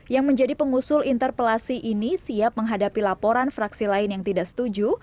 yang menjadi pengusul interpelasi ini siap menghadapi laporan fraksi lain yang tidak setuju